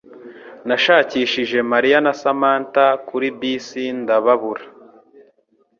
Nashakishije Mariya na Samantha kuri bisi ndabababura.